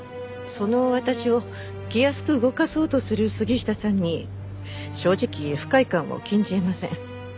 その私を気安く動かそうとする杉下さんに正直不快感を禁じ得ません。